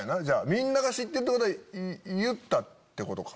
みんなが知ってるってことは言ったってことか。